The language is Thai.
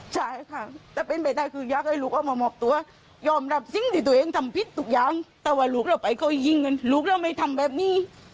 ใช่ค่ะแต่เป็นไปได้คืออยากให้ลูกเอามามอบตัวยอมรับสิ่งที่ตัวเองทำผิดทุกอย่างถ้าว่าลูกเราไปเขายิงกันลูกเราไม่ทำแบบนี้